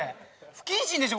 不謹慎でしょ